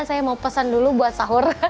saya mau pesan dulu buat sahur